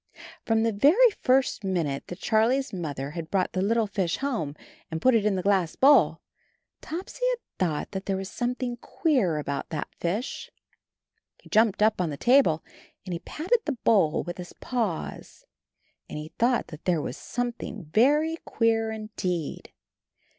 From the very first minute that Charlie's Mother had brought the little fish home and put it in the glass bowl, Topsy had thought that there was something queer about that fish. He jumped up on the table and he patted the bowl with his paws, and he thought that there was something very queer indeed.